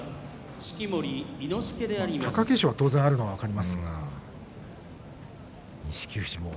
貴景勝が当然あるのは分かりますが錦富士も。